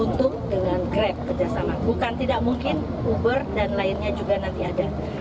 untung dengan grab kerjasama bukan tidak mungkin uber dan lainnya juga nanti ada